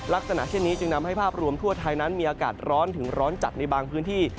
ลักษณะเช่นนี้จึงนำให้ภาพรวมทั่วไทยนั้นมีอากาศร้อนถึงร้อนจัดในบางพื้นที่